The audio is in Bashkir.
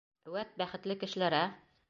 Вәт бәхетле кешеләр, ә!